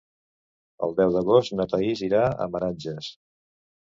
El deu d'agost na Thaís irà a Meranges.